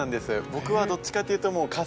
僕はどっちかというと。